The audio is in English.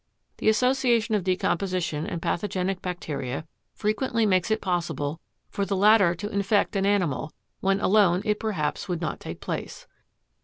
The association of decomposition and pathogenic bacteria frequently makes it possible for the latter to infect an animal, when alone it perhaps would not take place.